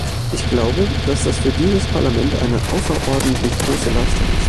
Ich glaube, dass das für dieses Parlament eine außerordentlich große Leistung ist.